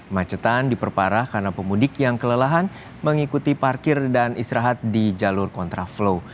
macetan diperparah karena pemudik yang kelelahan mengikuti parkir dan istirahat di jalur kontraflow